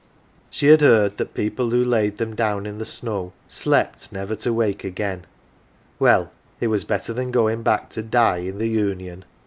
She had heard that people who laid them down in the snow slept never to wake again well, it was better than going back to die in th 1 Union.